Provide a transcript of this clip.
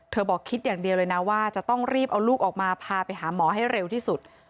บอกคิดอย่างเดียวเลยนะว่าจะต้องรีบเอาลูกออกมาพาไปหาหมอให้เร็วที่สุด